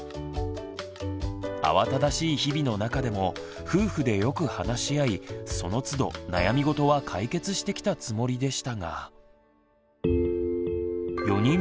慌ただしい日々の中でも夫婦でよく話し合いそのつど悩みごとは解決してきたつもりでしたが。